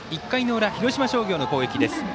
１回裏、広島商業の攻撃です。